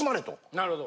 なるほど。